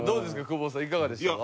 久保田さんいかがでした？